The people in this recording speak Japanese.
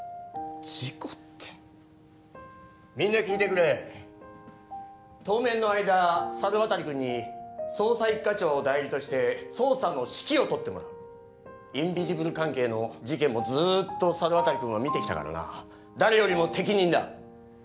事故ってみんな聞いてくれ当面の間猿渡君に捜査一課長代理として捜査の指揮をとってもらうインビジブル関係の事件もずーっと猿渡君は見てきたからな誰よりも適任だ